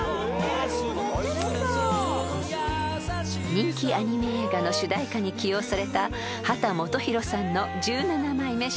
［人気アニメ映画の主題歌に起用された秦基博さんの１７枚目シングル］